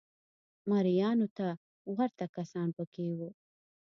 مریانو ته ورته کسان په کې وو